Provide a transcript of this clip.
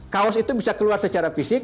kaos itu bisa keluar secara fisik